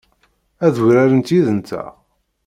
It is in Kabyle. Ad urarent yid-nteɣ?